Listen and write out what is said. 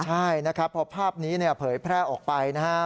ใช่นะครับพอภาพนี้เผยแพร่ออกไปนะฮะ